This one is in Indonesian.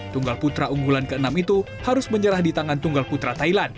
tunggal putra unggulan ke enam itu harus menyerah di tangan tunggal putra thailand